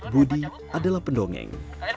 budi adalah pendongeng